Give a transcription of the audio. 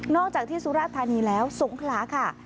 นอกจากที่สุราภัณฑ์นี้แล้วสงขลาค่ะ